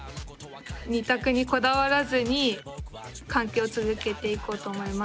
２択にこだわらずに関係を続けていこうと思います。